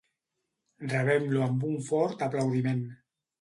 Rebem-lo amb un fort aplaudiment.